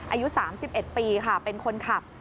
อายุ๓๑ปีค่ะเป็นคนขับ